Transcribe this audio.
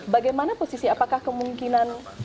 bagaimana posisi apakah kemungkinan